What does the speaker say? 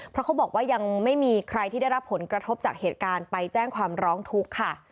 เพราะเขาบอกว่ายังไม่มีใครที่ได้รับผลกระทบจากเหตุการณ์ไปแจ้งความร้องทุกข์ค่ะ